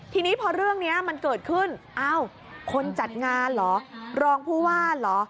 ทีนี้พอเรื่องนี้มันเกิดขึ้นเอ้าคนจัดงานเหรอรองผู้ว่าเหรอ